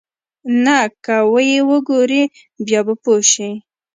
نه که ويې وګورې بيا به پوى شې.